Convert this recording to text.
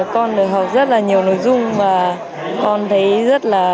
con được học rất nhiều nội dung